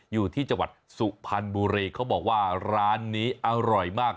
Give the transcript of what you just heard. อยู่ที่จังหวัดสุพรรณบุรีเขาบอกว่าร้านนี้อร่อยมาก